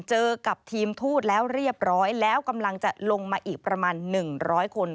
เจอกับทีมทูตแล้วเรียบร้อยแล้วกำลังจะลงมาอีกประมาณ๑๐๐คน